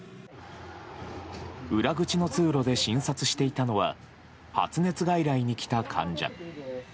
裏口の通路で診察していたのは発熱外来に来た患者。